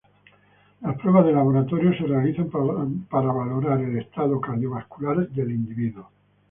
Las pruebas de laboratorio se realizan para valorar el estado cardiovascular del individuo.